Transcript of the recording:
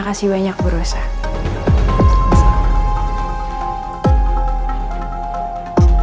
jessie saya melihat kamu punya jawab mimpin yang sangat baik